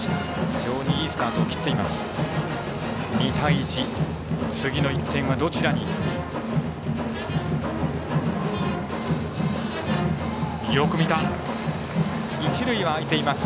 非常にいいスタートを切っています。